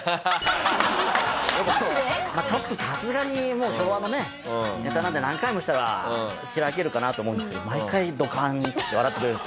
ちょっとさすがにもう昭和のねネタなんて何回もしたらしらけるかなと思うんですけど毎回ドカンって笑ってくれるんですよ。